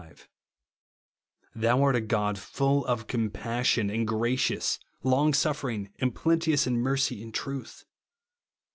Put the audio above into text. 5) ;" thou art a God full of comjMSsion, and gracious, long sufering, and plenteous in mercy and truth," (Psa.